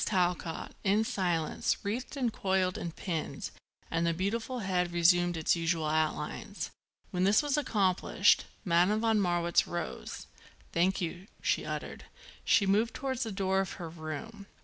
Talcott, in silence, wreathed and coiled and pinned and the beautiful head resumed its usual outlines. When this was accomplished Madame von Marwitz rose. "Thank you," she uttered. She moved towards the door of her room.